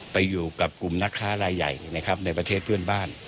ไปอยู่กับกลุ่มนักค้ารายใหญ่นะครับในประเทศเพื่อนบ้าน